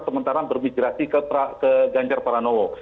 sementara bermigrasi ke ganjar paranowo